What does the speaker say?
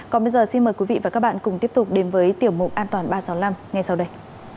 còn bây giờ xin mời quý vị và các bạn cùng tiếp tục đến với tiểu mục an toàn ba trăm sáu mươi năm ngay sau đây